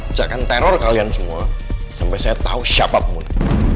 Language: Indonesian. ucapkan teror kalian semua sampai saya tau siapa pemuda